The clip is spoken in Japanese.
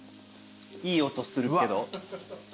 ・いい音するけど。